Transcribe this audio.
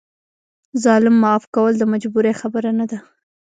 ظالم معاف کول د مجبورۍ خبره نه ده.